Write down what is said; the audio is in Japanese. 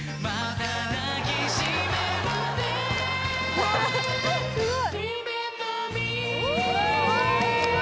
・うわすごい！